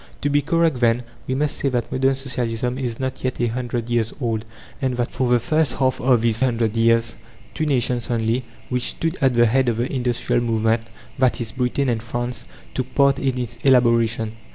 To be correct, then, we must say that modern Socialism is not yet a hundred years old, and that, for the first half of these hundred years, two nations only, which stood at the head of the industrial movement, i.e., Britain and France, took part in its elaboration.